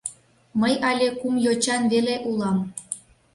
— Мый але кум йочан веле улам.